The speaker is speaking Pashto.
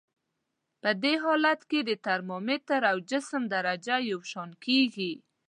په دې حالت کې د ترمامتر او جسم درجه یو شان کیږي.